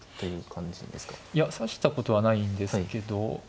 いや指したことはないんですけど。